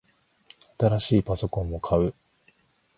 新しいパソコンを買う